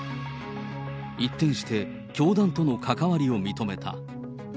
一転して教団との関わりを認めた。